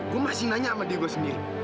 gue masih nanya sama dia gue sendiri